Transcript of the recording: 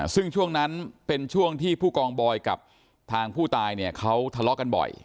ซึ่งช่วงนั้นเป็นช่วงที่ผู้กองบอยกับทางผู้ตายเนี่ยเขาทะเลาะกันบ่อย